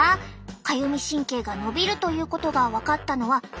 かゆみ神経が伸びるということが分かったのは最近のこと。